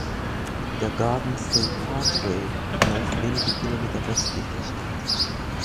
Der Garden State Parkway verläuft wenige Kilometer westlich der Stadt.